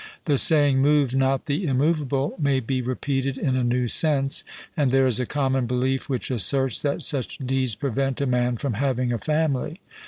The saying, 'Move not the immovable,' may be repeated in a new sense; and there is a common belief which asserts that such deeds prevent a man from having a family.